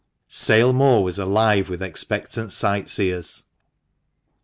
Sale Moor was alive with expectant sightseers.